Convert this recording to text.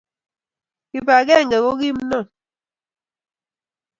Kibagenge ko kimnon